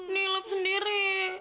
nih lep sendiri